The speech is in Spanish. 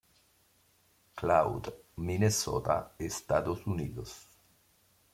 Cloud, Minnesota, Estados Unidos.